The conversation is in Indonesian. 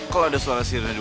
kalian semua tenang aja